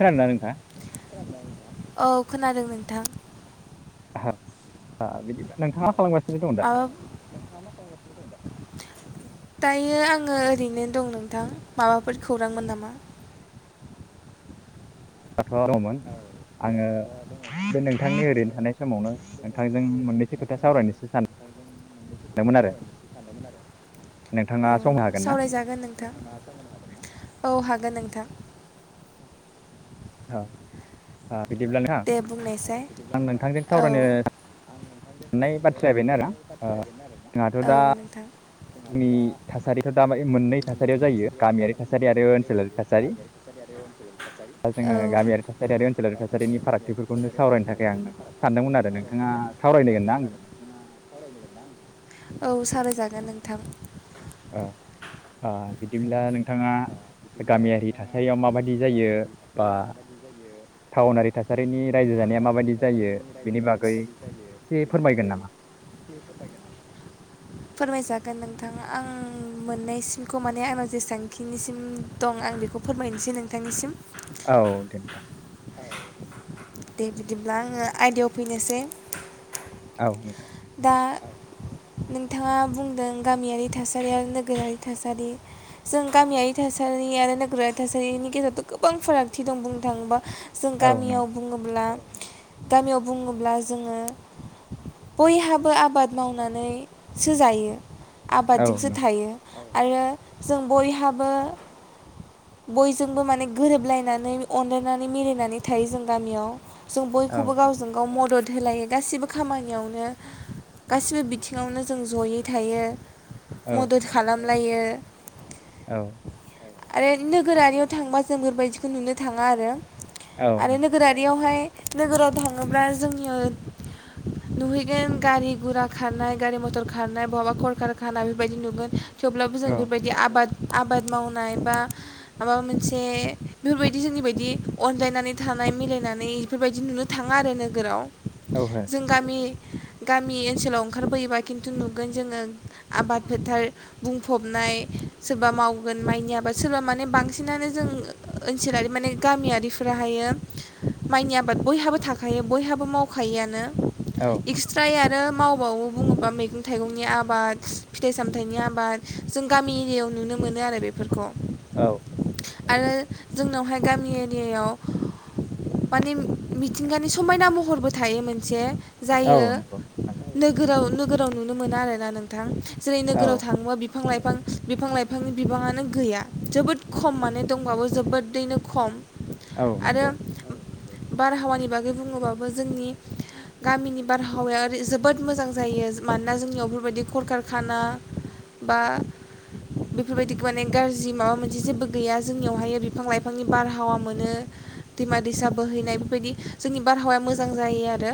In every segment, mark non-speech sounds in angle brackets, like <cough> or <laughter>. खोनादों ना नोंथाङा? औ खोनादों नोंथां। अह बिदिबा नोंथाङा खालामगा सिनो दङ दा? माबा दायो आङो ओरैनो दं नोंथां, माबाफोर खौरांमोन नामा? <unintelligible> आङो बे नोंथांनि ओरै थानाय समावनो नोंथांजों मोननैसो खोथा सावरायनोसो सान <inaudible> मोन आरो। नोंथाङा अह सम हागोन ना? सावरायजागोन नोंथां। औ हागोन नों थां। <inaudible> बिदिब्ला ना दे बुंनायसाय आं नोंथांजों औ सावरायनो नै बाथ्राया बेनो आरो ओ जोंहाथ' औ दा नोंथां जोंनि थासारिथ' दा मोननै थासारियाव जायो गामियारि थासारि आरो ओनसोलारि थासारि, दा औ जोङो गामियारि थासारि आरो ओनसोलारि थासारिनि फारागथिफोरखौनो सावरायनो थाखाय आं सानदोंमोन आरो नोंथाङा सावरायनो ना आंजों? औ सावरायजागोन नों थां। अह अह बिदिब्ला नोंथाङा गामियारि थासारिया माबादि जायो बा थाअनारि थासारिनि रायजो जानाया माबादि जायो बिनि बागै एसे फोरमायगोन नामा? फोरमायजागोन नोंथां आं मोननायसिमखौ माने आंनाव जेसांखिनिसिम दं आं बेखौ फोरमायनोसै नोंथांनिसिम। औ दे नोंथां। दे बिदिब्ला आङो आयदायाव फैनोसै। औ नोंथां। दा नोंथाङा बुंदों गामियारि थासारि आरो नोगोरारि थासारि जों गामियारि थासारि आरो नोगोरारि थासारिनि गेजेरावथ' गोबां फारागथि दं बुंनो थाङोबा जों औ नों गामियाव बुङोब्ला गामियाव बुङोब्ला जोङो बयहाबो आबाद मावनानै सो जायो औ आबादजोंसो नों थायो आरो जों बयहाबो बयजोंबो माने गोरोबलायनानै अनलायनानै मिलायनानै थायो जों गामियाव। जों औ बयखौबो गावजों गाव मदद होलायो गासिबो खामानियावनो गासिबो बिथिङावनो जों जयै थायो औ मदद खालामलायो औ। आरो नोगोरारियाव थांबा जों बेफोरबायदिखौ नुनो थाङा आरो औ आरो नों नोगोरारियावहाय नोगोराव थाङोब्ला जोङो नुहैगोन गारि गुरा खारनाय गारि मथर खारनाय बहाबा करखार खानाय बेफोरबायदि नुगोन थेवब्लाबो जों औ बेबायदि आबाद आबाद मावनाय बा माबा मोनसे बेफोरबायदि जोंनि बायदि अनजायनानै थानाय मिलायनानै बेफोरबायदि नुनो थाङा आरो नोगोराव। हो जों गामि गामि ओनसोलाव ओंखारबोयोबा खिन्थु नुगोन जोङो आबाद फोथार बुंफबनाय सोरबा मावगोन माइनि आबाद सोरबा माने बांसिनानो जों ओ ओनसोलारि माने गामियारिफोराहायो माइनि आबाद बयहाबो थाखायो बयहाबो मावखायो आनो औ एक्सट्रायै आरो मावबावो बुङोबा मैगं थाइगंनि आ बाद फिथाइ सामथाइनि आबाद जों गामि एरियायाव नुनो मोनो आरो बेफोरखौ औ। आरो जोंनावहाय गामि एरियायाव माने मिथिंगानि समायना महरबो थायो मोनसे औ जायो नंगौ नंगौ नोगोराव नोगोराव नुनो मोना आरोना नों थां। जेरै औ नोगोराव थाङोबा बिफां लाइफां बिफां लाइ फांनि बिबाङानो गैया जोबोद खम माने दंबाबो जोबोदैनो खम औ नंगौ। आरो बारहावानि बागै बुङोबाबो जोंनि गामिनि बारहावाया ओरै जोबोद मोजां जायो। मानोना जोंनियाव बेफोरबायदि खरखारारखाना बा बेफोरबायदि माने गाज जि माबा मोनसे जेबो गैया जोंनियावहायो बिफां लाइफांनि बारहावा मोनो दैमा दैसा बोहैनाय बेबायदि जोंनि बारहावाया मोजां जायो आरो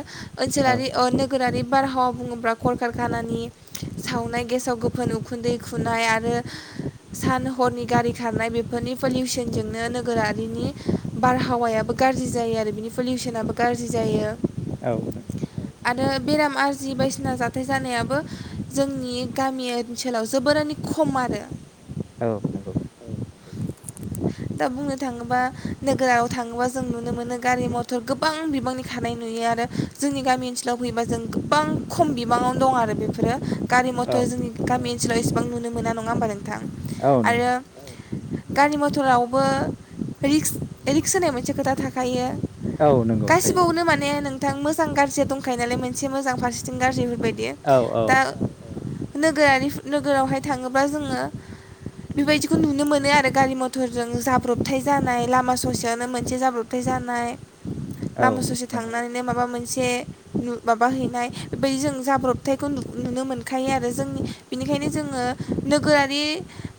औ ओनसोलारि अ नोगोरारि बारहावा बुङोब्ला कलकारखानानि सावनाय गेसाव गोफोन उखुन्दै खुनाय आरो सान हरनि गारि खारनाय बेफोरनि पलिउसनजोंनो नोगोरारिनि बारहावायाबो गाज्रि जायो आरो बिनि पलिउसनाबो गाज्रि जायो औ नंगौ। आरो बेराम आरजि बायदिसिना जाथाय जानायाबो जोंनि गामि ओनसोलाव जोबोरैनो खम आरो। औ नंगौ दा बुंनो थाङोबा नोगोराव थाङोबा जों नुनो मोनो गारि मथर गोबां बिबांनि खानाय नुयो आरो जोंनि गामि ओनसोलाव फैयोबा जों गोबां खम बिबाङावनो दं आरो बेफोरो गारि औ मथर जोंनि गामि सिल' एसेबां नुनो मोना नङा होनबा नों थां औ नंगौ आरो गारि मथरावबो रिक्स रिक्स होनाय मोनसे खोथा थाखायो औ नंगौ थायो गासिबावनो माने नों थां मोजां गाज्रिया दंखायो नाय मोनसे मोजां फारसेथिं गाज्रि हरो बे बायदि औ दा औ नोगोरारि नोगोरावहाय थाङोब्ला जोङो बेबायदिखौ नुनो मोनो आरो गारि मथरजों जाब्रबथाय जानाय लामा ससेयावनो मोनसे जाब्रबथाय जानाय औ लामा ससे नंगौ थांनानैनो माबा मोनसे से माबा हैनाय बेबायदि जों जाब्रबथायखौ नुनो मोनखायो आरो जोंनि बेनिखायनो जोङो नोगोरारि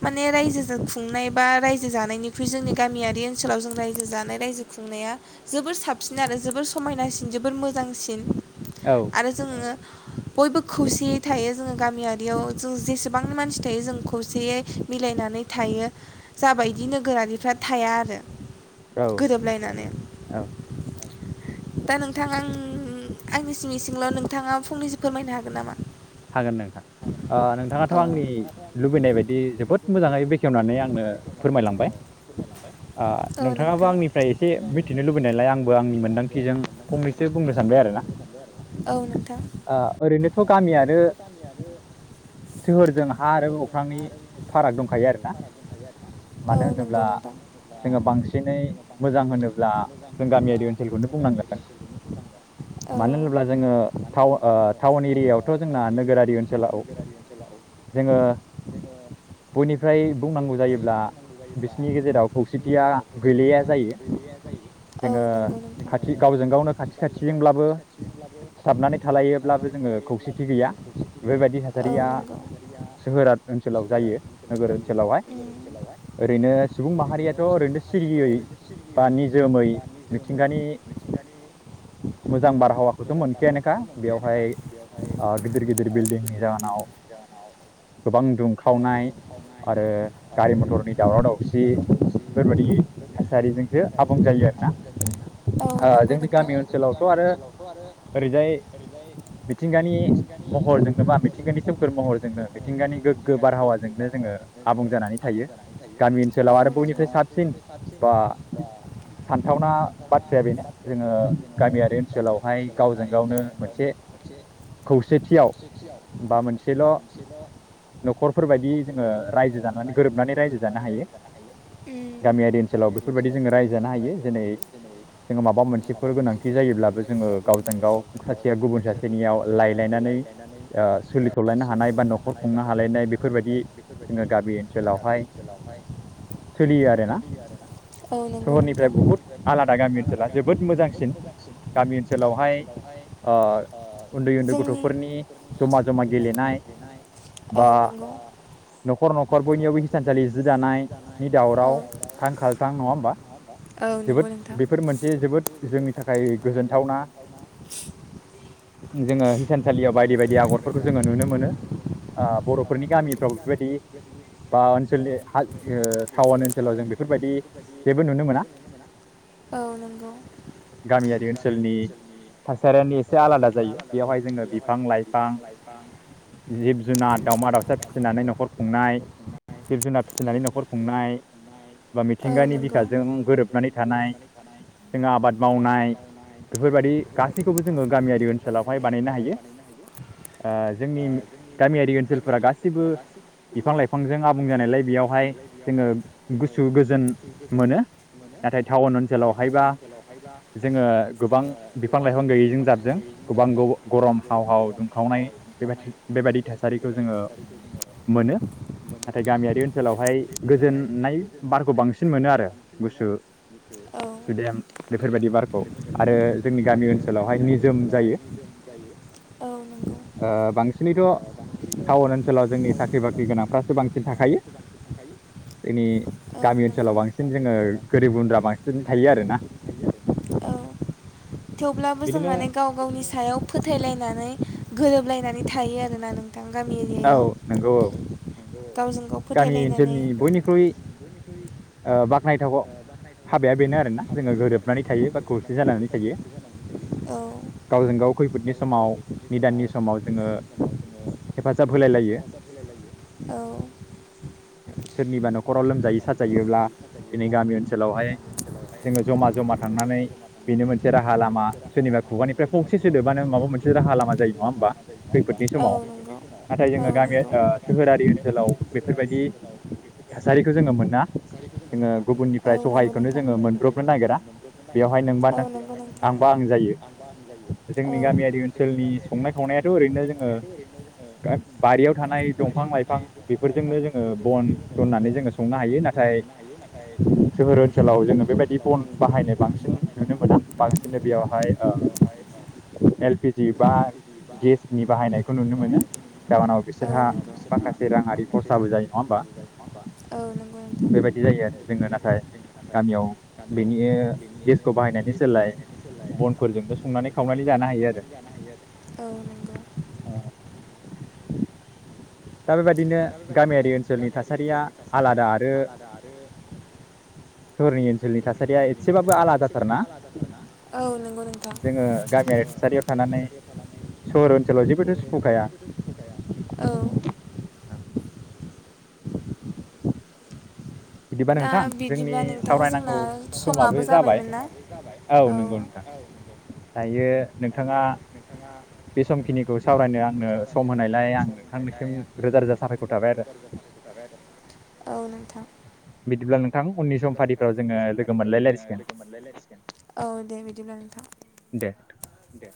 माने रायजोजों खुंनाय बा रायजो जानायनिख्रुइ जोंनि गामियारि ओनसोलाव जों रायजो जानाय रायजो खुंनाया जोबोर साबसिन आरो जोबोर समायनासिन जोबोर मोजांसिन औ आरो जोङो बयबो खौसेयै थायो जोङो गामियारियाव जों जेसेबांनि मानसि थायो जों खौसेयै मिलायनानै थायो जाबायदि नोगोरारिफ्रा थाया आरो औ गोरोबलायनानै औ दा नोंथाङा आं आंनि सिं सिंल' नोंथाङा फंनैसो फोरमायनो हागोन नामा हागोन नोंथां नोंथाङाथ' औ आंनि लुबैनाय बायदि जोबोद मोजाङै बेखेवनानै आंनो फोरमायलांबाय औ नोंथाङाबो नोंथां आंनिफ्राय एसे मिथिनो लुबैनायलाय आंबो आंनि मोनदां जों फंनैसो बुंनो सानबाय आरोना सानबाय आरो औ नोंथां ओरैनोथ' गामियारि सोहोरजों हा आरो अख्रांनि फाराग दंखायो आरोना औ मानो नंगौ होनोब्ला नोंथां जोङो बांसिनै मोजां होनोब्ला जों गामियारि ओनसोलखौनो बुंनांगोन फोथांगोन मानो औ होनोब्ला जोङो टाउन एरियायाव टाउन एरियाथ' जोंहा नोगोरारि ओनसोलाव बयनि ओमफ्राय बुंनांगौ जायोब्ला बिसनि गेजेराव खौसेथिया गैलेया जायो औ जोङो नंगौ खाथि गावजों गावनो खाथि खाथिजोंब्लाबो सिथाबनानै थालायोब्लाबो जोङो थि गैया बेफोरबायदि औ थासारिया नंगौ सोहोरा ओनसोलाव सोहोर जायो नोगोर ओनसोलावहाय ओरैनो सुबुं माहारियाथ' ओरैनो सिरियै बा निजोमै मिथिंगानि मोजां बारहावाखौथ' मोनखायानोखा बेवहाय गिदिर गिदिर बिल्डिंनि जाहोनाव गोबां दुंखावनाय आरो गारि मथरनि दावराव दावसि बेफोरबायदि थासारिजोंसो आबुं जायो आरोना औ ओ नंगौ जोंनि गामि नोंथाङा जोंनि ओनसोलावथ' गामि आरो ओनसोलावथ' आरो ओरैजाय मिथिंगानि महरजोंनोबा मिथिंगानि सोमखोर महरजोंनो मिथिंगानि गोग्गो बारहावाजोंनो जोङो आबुं जानानै थायो गामि ओनसोलाव आरो बयनिफ्राय सा साबसिन बा सानथावना बाथ्राया बेनो जोङो गामियारि ओनसोलावहाय गावजों गावनो मोनसे खौसेथियाव बा मोनसेल' न'खरफोरबायायदि जोङो रायजो जानानै गोरोबनानै रायजो जानो हायो उम गामियारि ओनसोलाव बेफोरबायदि जोङो रायजो जानो हायो जेरै जोङो माबा मोनसेफोर गोनांथि जायोब्लाबो जोङो गावजों गाव सासेया गुबुन सासेनियाव लायलायनानै ओ सोलिथलायनो हानाय बा नखर खुंनो हालायनाय बेफोरबायदि जोङो गामि ओनसोलावहाय सोलियो आरोना औ । नंगौ नोंथां सहरनिफ्राय बहुत आलादा गामि ओनसोला जोबोद मोजांसिन गामि ओनसोलावहाय ओ उन्दै उन्दै जोंनि गथफोरनि जमा जमा गेलेनाय औ बा नोंगौ । नखर नखर बयनियावबो हिथानसालि जि दानायनि दावराव थां खाालथां नङा होमबा औ । नंगौ जोबोद नोंथां बेफोर मोनसे जोबोद जोंनि थाखाय गोजोनथावना । जोङो हिसानसालियाव बायदि बायदि आगरफोरखौ जोङो नुनो मोनो आ बर'फोरनि गामिफ्राव बेबायदि बा ओनसोलनि हा ओ टाउन ओनसोलाव जों बेफोरबायदि जेबो नुनो मोना । औ नोंगौ । गामियारि ओनसोलनि थासारियानो एसे आलादा जायो । बेयावहाय जोङो बिफां लाइफां, जिब जुनार, दाावमा दाउसा फिसिनानै नखर खुंनाय, जिब जुनार फिसिनानै नखर खुंनाय बा औ मिथिंगानि बिखा जों गोरोबनानै थानाय जों आबाद मावनाय बेफोरबादि गासैखौबो जोङो गामियारि ओनसो लावहाय बानायनो हायो जोंनि गामियारि ओनसोलफोरा गाैबो बिफां लाइफांजों आबुं जानायलाय बेयावहाय जोङो गुसु गोजोन मोनो । नाथाय टाउन ओनसोलावहायबा जोङो गोबां बिफां लाइफां गैयैजों जाबजों गोबां गरम हाव हाव दुंखावनाय बेबाय बेबायदि थासारिखौ जोङो मोनो नाथाय गामियारि ओनसोलावहाय गोजोननाय बारखौ बांसिन मोनो आरो । गुसु सुदेम औ बेफोरबायदि बारखौ आरो जोंनि गामि ओनसोलावहाय निजोम जायो औ नंगौ ओ बांसिनैथ टाउन ओनसोलाव जोंनि साख्रि बाख्रि गोनांफ्रासो बांसिन थाखायो जोंनि औ गामि नंगौ ओनसोलाव बांसिन जोङो गोरिब गुन्द्रा बांसिन थायो आरो ना । गुन्द्रा बांसिन थायो आरो औ थेवब्लाबो जों माने गाव गावनि सायाव फोथायलायनानै गोरोबलायनानै थायो आरोना नों थां गामि औ एरियायाव नंगौ । औ नोंगौ । गावजों गाव गामि फोथायलायनानै ओनसोलनि गामि बयनिख्रुइ ओनसोलनि बयनिख्रुइ ओ बाख्नायथाव हाबाया बेनो आरोना जोङो गोरोबनानै थायो बा खौसे जानानै थायो थायो गावजों गाव खैफोदनि समाव निदाननि समाव जोङो हेफाजाब होलाय लायो औ औ सोरनिबा न'खराव लोमजायो साजायोब्ला दिनै गामि ओनसोलावहाय जोङो जमा जमा थांनानै बेनो मोनसे राहा लामा सोरनिबा खुगानिफ्राय फंसे सोदोबानो माबा मोनसे राहा लामा जायो नङा होमबा? खैफोदनि समाव । नाथाय जोङो औ नंगौ औ गामि नंगौ। ओ सोहोरारि ओनसोलाव बेफोरबायदि थासारिखौ जोङो मोना जोङो गुबुननिफ्राय जोङो सहायखौनो जोङो मोनब्रबनो नागिरा बेवहाय नोंबा औ नों नंगौ नोंथां। आंबा आं जायो जोंनि औ गामिया ओनसोलनि संनाय खावनायाथ' ओरैनो जोङो गा बारियाव थानाय दंफां लाइफां बेफोरजोंनो जोङो बन जननानै जोङो संनो हायो । नाथाय सोहोर ओनसोलाव जोङो बेबायदि बन बाहायनाय बांसिन नुनो मोना बांसिननो बेयावहाय एल पि जि बा गेसनि बाहायनायखौ नुनो मोनो । जाहोनाव औ बिसोरहा नंगौ। माखासे राङारि खरसाबो जायो नङा होमबा औ नंगौ नोंथां बेबायदि जायो आरो जोङो नाथाय गामियाव बेनि गेसखौ बाहायनायनि सोलाय बनफोरजोंबो संनानै खावनानै जानो हायो आरो । औ नंगौ औ । दा बेबायदिनो गामियारि ओनसोलनि थासारिया आलादा आरो सहरनि ओनसोलनि थासारिया एसेबाबो आलादाथारना? औ नंगौ नोंथां । सारियाव थानानै सेलाव जेबोथ' सुखुखाया औ बिदिबा दा नोंथां जोंनि बिदिब्ला नोंथां सावरायनांगौ जोंना समाबो जाबाय जाबायमोन ना औ। नंगौ नोंथां दायो नोंथाङा बे समखिनिखौ सावरायनो आंनो सम होनायलाय आं नोंथांनिसिम रोजा रोजा साबायखर थाबाय आरो। औ नोंथां बिदिब्ला नोंथां उननि सम फारिफ्राव जोङो लोगो मोनलायलायसिगोन औ दे बिदिब्ला दे। नोंथां दे।